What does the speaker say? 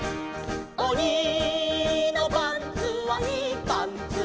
「おにのパンツはいいパンツ」